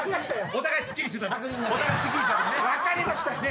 お互いすっきりした方がね。